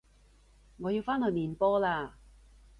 我要返去練波喇